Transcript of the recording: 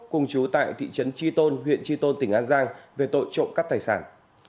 cùng chú tại thị trấn tri tôn huyện tri tôn tỉnh an giang về tội trộm cắt thầy sản